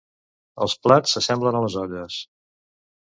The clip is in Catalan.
Els plats s'assemblen a les olles